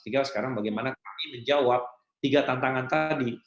tinggal sekarang bagaimana kami menjawab tiga tantangan tadi